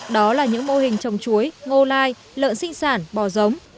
đó là những mô hình trồng chuối ngô lai lợn sinh sản bò giống